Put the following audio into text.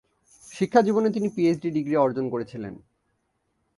শিক্ষাজীবনে তিনি PhD degree অর্জন করেছিলেন।